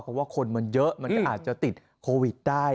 เพราะว่าคนมันเยอะมันก็อาจจะติดโควิดได้